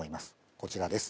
こちらです。